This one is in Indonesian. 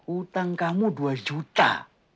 utang kamu dua juta